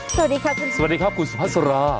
สวัสดีครับคุณสุภาษณ์สวัสดีครับคุณสุภาษณ์สุภา